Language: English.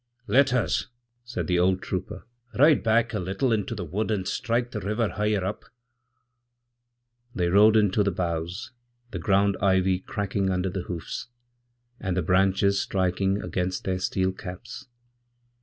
'Let us,' saidthe old trooper, 'ride back a little into the wood, and strike theriver higher up.' They rode in under the boughs, the ground ivycrackling under the hoofs, and the branches striking against theirsteel caps.